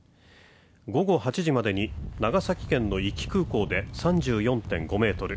午後８時までに長崎県の壱岐空港で３４．５メートル